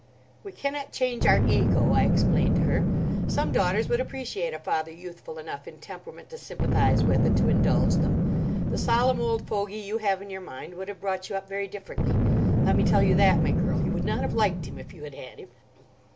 "We cannot change our ego," I explained to her. "Some daughters would appreciate a father youthful enough in temperament to sympathise with and to indulge them. The solemn old fogey you have in your mind would have brought you up very differently. Let me tell you that, my girl. You would not have liked him, if you had had him."